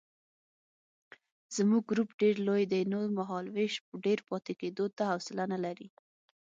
زموږ ګروپ ډېر لوی دی نو مهالوېش ډېر پاتې کېدو ته حوصله نه لري.